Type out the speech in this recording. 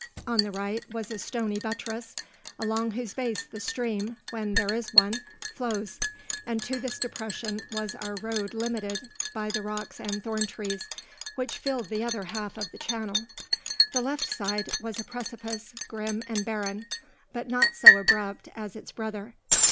On the right was a stony buttress, along whose base the stream, when there is one, flows; and to this depression was our road limited by the rocks and thorn trees, which filled the other half of the channel. The left side was a precipice, grim and barren, but not so abrupt as its brother.